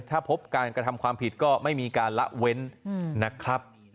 ถ้าพบการกระทำความผิดก็ไม่มีการละเว้นนะครับ